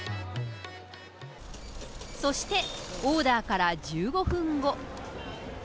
そして、オーダーから１５分後。